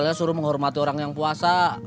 saya suruh menghormati orang yang puasa